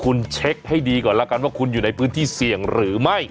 คุณเช็คให้ดีก่อนแล้วกันว่าคุณอยู่ในพื้นที่เสี่ยงหรือไม่